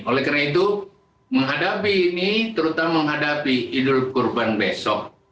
oleh karena itu menghadapi ini terutama menghadapi idul kurban besok